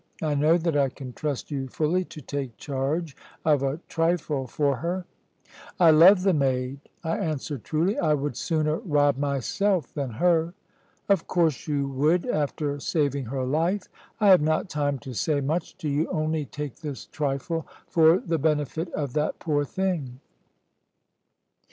I know that I can trust you fully to take charge of a trifle for her." "I love the maid," I answered truly; "I would sooner rob myself than her." "Of course you would, after saving her life. I have not time to say much to you, only take this trifle for the benefit of that poor thing."